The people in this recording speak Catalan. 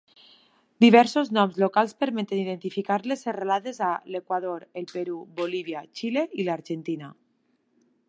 Diversos noms locals permeten identificar les serralades a l'Equador, el Perú, Bolívia, Xile i l'Argentina.